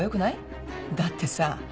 「だってさ